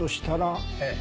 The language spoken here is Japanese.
ええ。